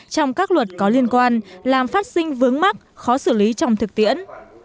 trong các luật có liên quan làm phát sinh vướng mắt khó xử lý trong thực tiễn